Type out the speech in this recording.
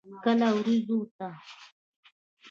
کله ورېځو ته.